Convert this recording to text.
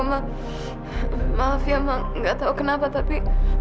maaf pak toda kenapa tapi